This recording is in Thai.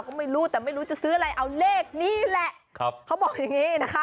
ก็ไม่รู้แต่ไม่รู้จะซื้ออะไรเอาเลขนี้แหละครับเขาบอกอย่างงี้นะคะ